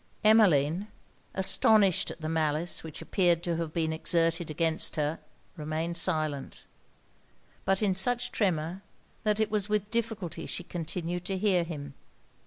Emmeline, astonished at the malice which appeared to have been exerted against her, remained silent; but in such tremor, that it was with difficulty she continued to hear him.